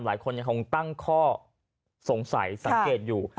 หลายคนยังคงตั้งข้อสงสัยสังเกตอยู่